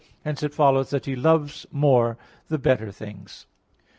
Hence it follows that He loves more the better things.